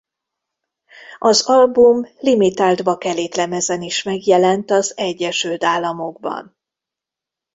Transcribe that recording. Az album limitált bakelit lemezen is megjelent az Egyesült Államokban.